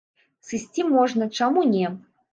Сысці можна, чаму не.